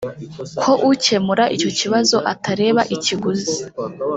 ko ukemura icyo kibazo atareba ikiguzi